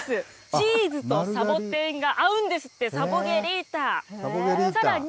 チーズとサボテンが合うんですって、サボゲリータ。